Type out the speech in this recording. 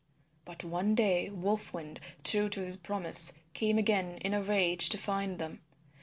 But one day Wolf Wind, true to his promise, came again in a rage to find them.